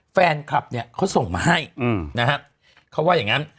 แฟนคลับเนี่ยเขาส่งมาให้นะฮะเขาว่าอย่างงั้น